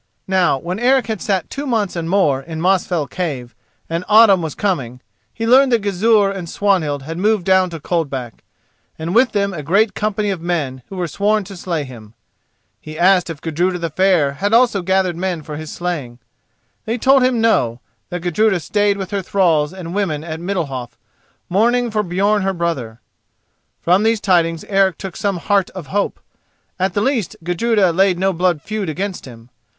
Now, when Eric had sat two months and more in Mosfell cave and autumn was coming, he learned that Gizur and Swanhild had moved down to Coldback, and with them a great company of men who were sworn to slay him. He asked if Gudruda the Fair had also gathered men for his slaying. They told him no; that Gudruda stayed with her thralls and women at Middalhof, mourning for Björn her brother. From these tidings Eric took some heart of hope: at the least Gudruda laid no blood feud against him.